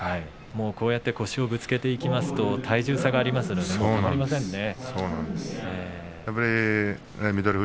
こうして腰をぶつけていきますと体重差がありますからたまりませんね。